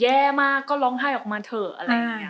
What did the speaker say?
แย่มากก็ร้องไห้ออกมาเถอะอะไรอย่างนี้